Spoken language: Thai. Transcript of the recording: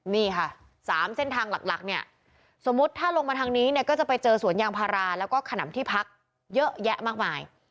นี่ค่ะ๓เส้นทางหลักเนี่ยสมมุติถ้าลงมาทางนี้เนี่ยก็จะไปเจอสวนยางพาราแล้วก็ขนำที่พักเยอะแยะมากมาย